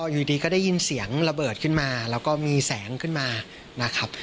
อยู่ดีก็ได้ยินเสียงระเบิดขึ้นมาแล้วก็มีแสงขึ้นมานะครับ